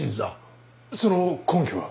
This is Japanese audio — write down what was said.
その根拠は？